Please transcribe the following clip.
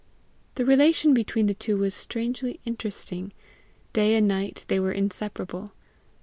The relation between the two was strangely interesting. Day and night they were inseparable.